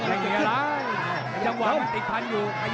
กาดเกมสีแดงเดินแบ่งมูธรุด้วย